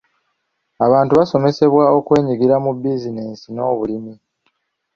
Abantu baasomesebwa okwenyigira mu bizinensi n'obulimi.